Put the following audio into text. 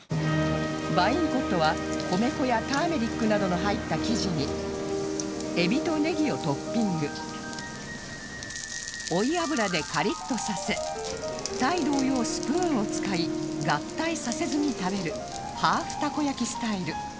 バインコットは米粉やターメリックなどの入った生地にえびとネギをトッピング追い油でカリッとさせタイ同様スプーンを使い合体させずに食べるハーフたこ焼きスタイル